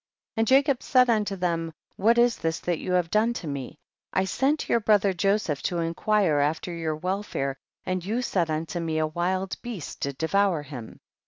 2. And Jacob said unto them, what is this that you have done to me ? I sent your brother Joseph to inquire after your welfare and you 164 THE BOOK OF JASHER. said unto me, a wild beast did de vour him.